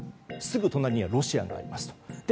すぐ隣にはロシアがあります。